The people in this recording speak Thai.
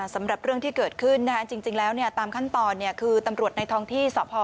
สำหรับเรื่องที่เกิดขึ้นจริงแล้วตามขั้นตอนคือตำรวจในท้องที่สพ